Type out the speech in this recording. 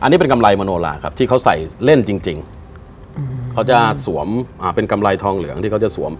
อันนี้เป็นกำไรมโนลาครับที่เขาใส่เล่นจริงเขาจะสวมเป็นกำไรทองเหลืองที่เขาจะสวม